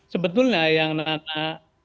sebetulnya yang nana